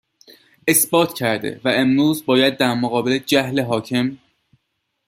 اثبات کرده و امروز باید در مقابل جهل حاکم